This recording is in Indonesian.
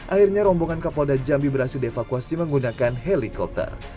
akhirnya rombongan kapal dan jam vibrasi devakuasi menggunakan helikopter